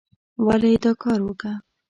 ولې یې دا کار وکه؟